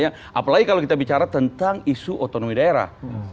apalagi kalau kita bicara tentang isu otonomi daerah